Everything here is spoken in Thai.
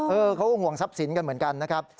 เขาก็ห่วงทรัพย์สินกันเหมือนกันนะครับ